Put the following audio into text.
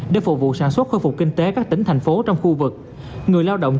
để phục vụ sản xuất khôi phục kinh tế các tỉnh thành phố trong khu vực